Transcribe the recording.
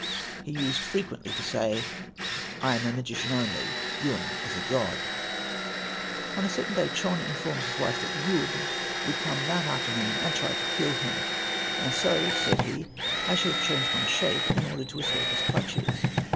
He used frequently to say, "I am a magician only; Yun is a God." On a certain day Chon informed his wife that Yun would come that afternoon and try to kill him, "and so," said he, "I shall change my shape in order to escape his clutches.